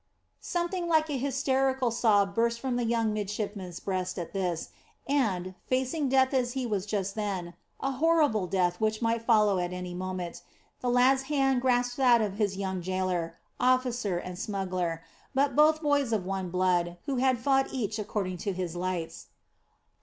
Something like a hysterical sob burst from the young midshipman's breast at this; and, facing death as he was just then, a horrible death which might follow at any moment, the lad's hand grasped that of his young gaoler officer and smuggler, but both boys of one blood, who had fought each according to his lights.